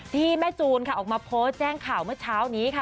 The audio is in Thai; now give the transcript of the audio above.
ที่แม่จูนค่ะออกมาโพสต์แจ้งข่าวเมื่อเช้านี้ค่ะ